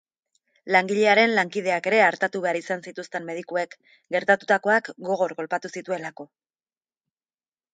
Langilearen lankideak ere artatu behar izan zituzten medikuek, gertatutakoak gogor kolpatu zituelako.